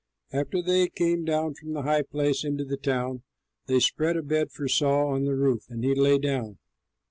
After they came down from the high place into the town, they spread a bed for Saul on the roof, and he lay down.